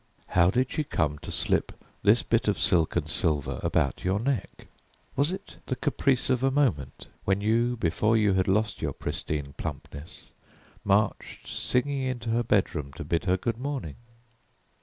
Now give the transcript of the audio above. How did she come to slip this bit of silk and silver about your neck? Was it the caprice of a moment, when you, before you had lost your pristine plumpness, marched singing into her bedroom to bid her good morning?